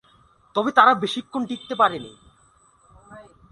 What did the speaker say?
তবে তারা বেশিক্ষণ টিকতে পারেনি।